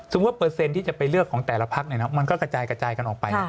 สมมุติเปอร์เซ็นต์ที่จะไปเลือกของแต่ละภาคมันก็กระจายกันออกไป